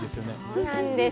そうなんです。